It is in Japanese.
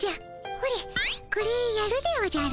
ほれこれやるでおじゃる。